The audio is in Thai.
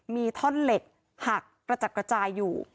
มีท่อนเหล็กหักกระจัดกระจายอยู่